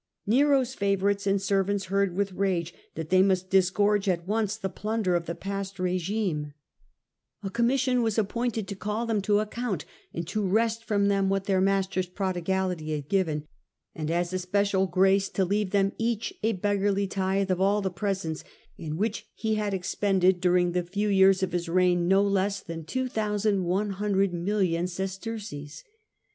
Nero's favourites and servants heard with rage that they must disgorge at once the plunder of the past rMme, A commission was appointed to call *, r . y Nero.sser them to account and to wrest from them what vants and their master's prodigality had given, and as a special grace to leave them each a beggarly tithe of all the presents, in which he had expended during the few years of his reign no less than two thousand one hundred million sesterces.